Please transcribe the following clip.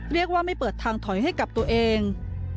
เรียกว่าไม่เปิดทางถอยให้กับตัวเอง